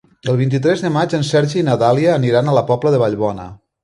El vint-i-tres de maig en Sergi i na Dàlia aniran a la Pobla de Vallbona.